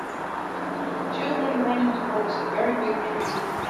Children running towards a very big tree.